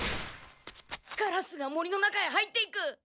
カラスが森の中へ入っていく！